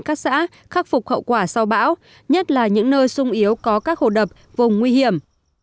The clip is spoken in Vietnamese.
các xã khắc phục hậu quả sau bão nhất là những nơi sung yếu có các hồ đập vùng nguy hiểm